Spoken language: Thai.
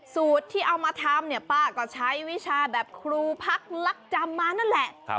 สูตรที่เอามาทำเนี่ยป้าก็ใช้วิชาแบบครูพักลักจำมานั่นแหละ